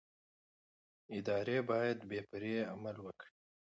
ادارې باید بې پرې عمل وکړي